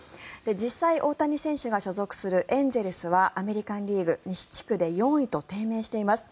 実際、大谷選手が所属するエンゼルスはアメリカン・リーグ西地区で４位と低迷しています。